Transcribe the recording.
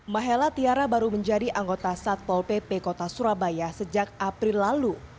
mahela tiara baru menjadi anggota satpol pp kota surabaya sejak april lalu